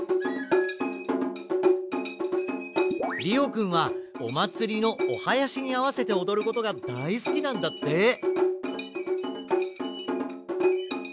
りおくんはおまつりのおはやしにあわせておどることがだいすきなんだって！